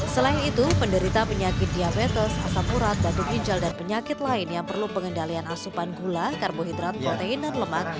selain itu penderita penyakit diabetes asam urat batu ginjal dan penyakit lain yang perlu pengendalian asupan gula karbohidrat protein dan lemak